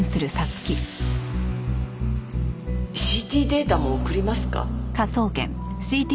ＣＴデータも送りますか？